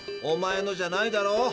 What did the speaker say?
おまえのじゃないだろ？